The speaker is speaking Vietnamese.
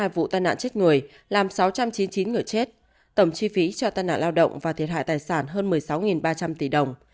hai mươi vụ tai nạn chết người làm sáu trăm chín mươi chín người chết tổng chi phí cho tai nạn lao động và thiệt hại tài sản hơn một mươi sáu ba trăm linh tỷ đồng